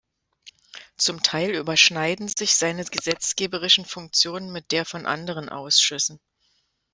Zum Teil überschneiden sich seine gesetzgeberischen Funktionen mit der von anderen Ausschüssen.